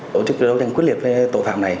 tổ chức đấu tranh quyết liệt với tội phạm này